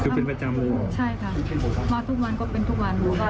คือเป็นประจำเลยใช่ค่ะเพราะทุกวันก็เป็นทุกวันรู้ว่า